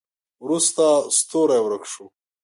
وروسته ستوری ورک شو.